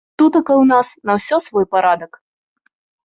Тутака ў нас на ўсё свой парадак.